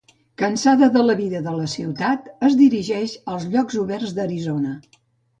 Cansada de la vida de la ciutat, es dirigeix als llocs oberts d'Arizona.